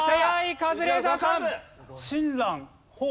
カズレーザーさん。